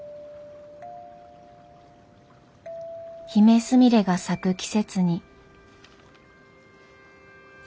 ヒメスミレが咲く季節に。